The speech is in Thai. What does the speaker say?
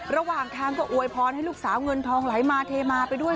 ระหว่างทางก็อวยพรให้ลูกสาวเงินทองไหลมาเทมาไปด้วย